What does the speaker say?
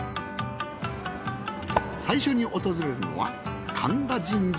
最初に訪れるのは神田神社。